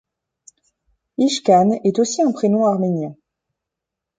Ichkhan est aussi un prénom arménien.